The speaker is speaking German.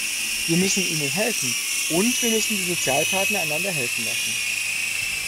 Wir müssen ihnen helfen und wir müssen die Sozialpartner einander helfen lassen.